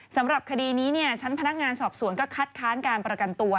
สำหรับคดีนี้ชั้นพนักงานสอบสวนก็คัดค้านการประกันตัว